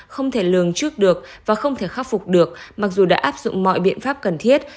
không thể lường trước được và không thể khắc phục được mặc dù đã áp dụng mọi biện pháp cần thiết